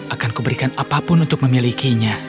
akanku berikan apapun untuk memilikinya